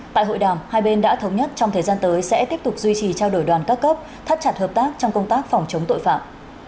tại hội đàm hai bên đã thống nhất trong thời gian tới sẽ tiếp tục duy trì trao đổi đoàn các cấp thắt chặt hợp tác trong công tác phòng chống tội phạm